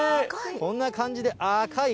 こんな感じで、赤い。